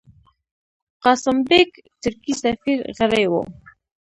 قاسم بېګ، ترکی سفیر، غړی وو.